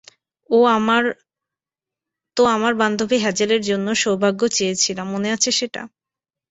তো, আমার বান্ধবী হ্যাজেলের জন্য সৌভাগ্য চেয়েছিলাম, মনে আছে সেটা?